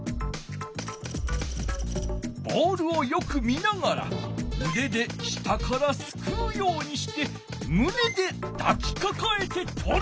ボールをよく見ながらうでで下からすくうようにしてむねでだきかかえてとる。